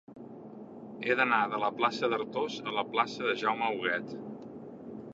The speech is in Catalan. He d'anar de la plaça d'Artós a la plaça de Jaume Huguet.